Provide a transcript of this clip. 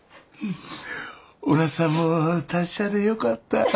おなつさんも達者でよかった。